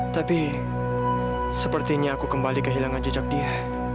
tapi sepertinya aku kembali kehilangan jejak dia